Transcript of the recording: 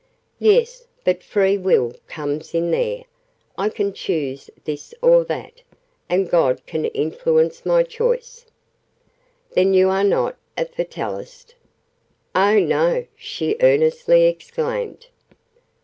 "Yes, but Free Will comes in there I can choose this or that; and God can influence my choice." "Then you are not a Fatalist?" "Oh, no!" she earnestly exclaimed.